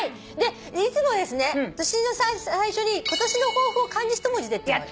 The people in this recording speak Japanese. いつもですね年の最初に今年の抱負を漢字一文字でって。